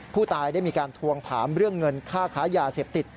ผู้ตายได้มีการทวงถามเรื่องเงินค่าค้ายาเสพติด